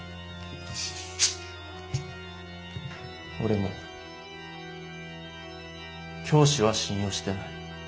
俺も「教師」は信用してない。